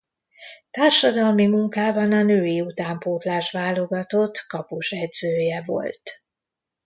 Társadalmi munkában a női utánpótlás válogatott kapusedzője volt.